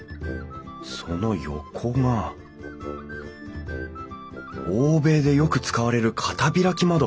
その横が欧米でよく使われる片開き窓。